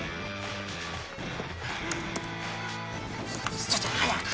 ちょちょっと早く！